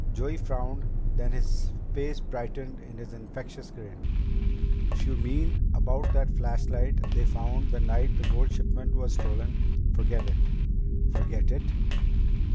Joey frowned, then his face brightened in his infectious grin. "If you mean about that flashlight they found the night the gold shipment was stolen, forget it." "Forget it?"